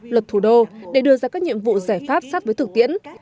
luật thủ đô để đưa ra các nhiệm vụ giải pháp sát với thực tiễn